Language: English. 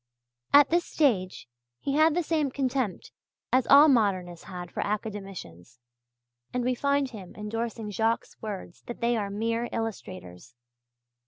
At this stage he had the same contempt as all modernists had for academicians, and we find him endorsing Jacques' words that they are "mere illustrators!"